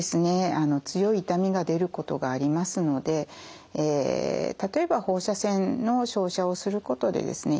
強い痛みが出ることがありますので例えば放射線の照射をすることでですね